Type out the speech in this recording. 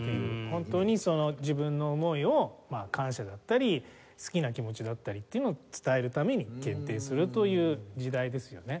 本当に自分の思いをまあ感謝だったり好きな気持ちだったりっていうのを伝えるために献呈するという時代ですよね。